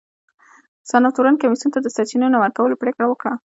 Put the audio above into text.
سناتورانو کمېسیون ته د سرچینو د نه ورکولو پرېکړه وکړه.